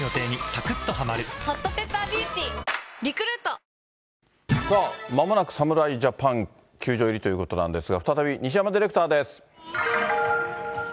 現地メディアによると、まもなく侍ジャパン、球場入りということなんですが、再び西山ディレクターです。